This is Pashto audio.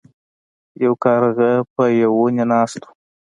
یو کارغه په یو ونې ناست و.